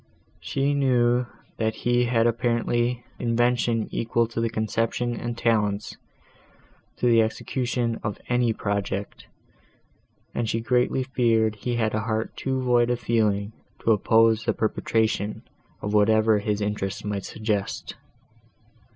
She knew, that he had invention equal to the conception and talents to the execution of any project, and she greatly feared he had a heart too void of feeling to oppose the perpetration of whatever his interest might suggest.